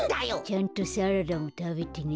ちゃんとサラダもたべてね。